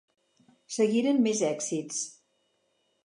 Seguiren més èxits.